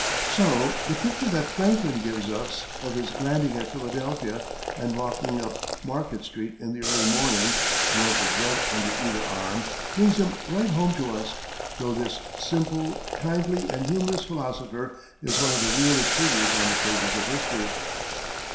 So the picture that Franklin gives of his landing at Philadelphia and walking up Market street in the early morning, a loaf of bread under either arm, brings him right home to us; though this simple, kindly, and humorous philosopher is one of the realest figures on the pages of history.